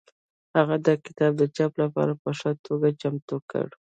هغه دا کتاب د چاپ لپاره په ښه توګه چمتو کړ.